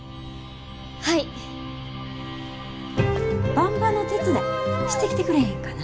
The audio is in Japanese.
ばんばの手伝いしてきてくれへんかな？